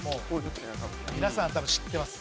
皆さん多分知ってます。